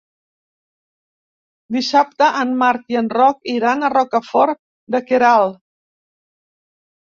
Dissabte en Marc i en Roc iran a Rocafort de Queralt.